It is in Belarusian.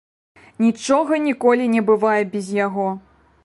Нічога ніколі не бывае без яго!